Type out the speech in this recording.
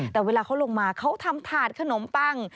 แต่เวลาเขาลงมาเขาทำถาดขนมปัง